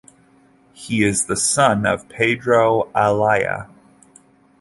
He is the son of Pedro Ayala.